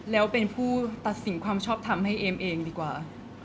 แล้วเป็นผู้ตัดสินความชอบทำให้เอมเองดีกว่า